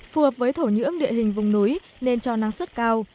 phù hợp với thổ nhưỡng địa hình vùng núi nên cho năng suất cao